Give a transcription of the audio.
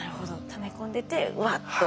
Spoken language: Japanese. ため込んでてうわっと。